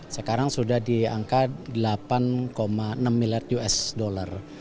sekarang sudah di angka delapan enam miliar us dollar